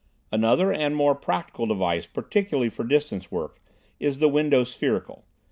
Another, and more practical device particularly for distance work, is the window spherical.